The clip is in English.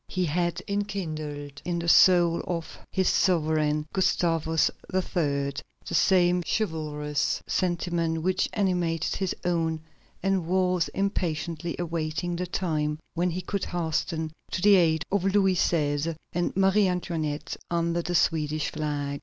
He had enkindled in the soul of his sovereign, Gustavus III., the same chivalrous sentiment which animated his own, and was impatiently awaiting the time when he could hasten to the aid of Louis XVI. and Marie Antoinette under the Swedish flag.